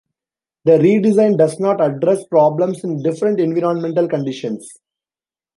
The redesign does not address problems in different environmental conditions.